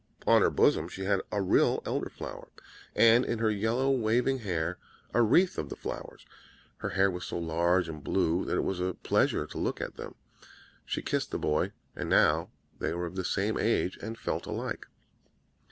On her bosom she had a real Elderflower, and in her yellow waving hair a wreath of the flowers; her eyes were so large and blue that it was a pleasure to look at them; she kissed the boy, and now they were of the same age and felt alike.